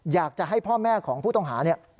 อยากจะให้พ่อแม่ของผู้ต้องหาเนี่ย